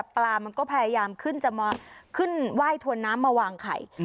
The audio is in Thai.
ปลามันก็พยายามขึ้นจะขึ้นไหว้ถวนน้ำมาวางไข่